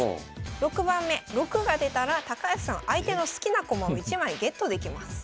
６番目６が出たら高橋さん相手の好きな駒を１枚ゲットできます。